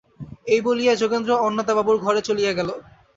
এই বলিয়া যোগেন্দ্র অন্নদাবাবুর ঘরে চলিয়া গেল।